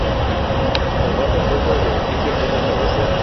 La parte opuesta del edificio es la cabecera.